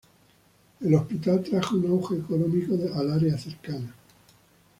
El hospital trajo un auge económico al área cercana.